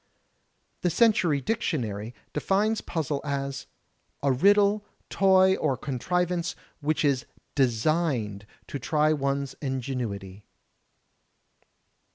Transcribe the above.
The Century Dictionary defines puzzle as "A riddle, toy or contrivance which is designed to try one's ingenuity."